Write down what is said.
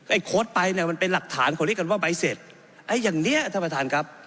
โค้ดไปเนี่ยมันเป็นหลักฐานเขาเรียกกันว่าใบเสร็จไอ้อย่างเนี้ยท่านประธานครับ